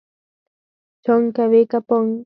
چونګ کوې که پونګ؟